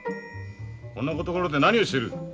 こんなところで何をしている。